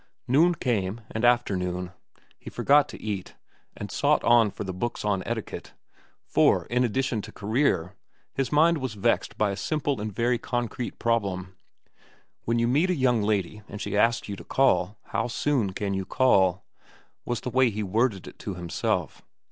Noon came, and afternoon. He forgot to eat, and sought on for the books on etiquette; for, in addition to career, his mind was vexed by a simple and very concrete problem: When you meet a young lady and she asks you to call, how soon can you call? was the way he worded it to himself.